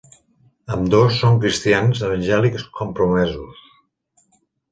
Ambdós són cristians evangèlics compromesos.